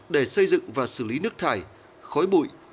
để xây dựng và xử lý nước thải khói bụi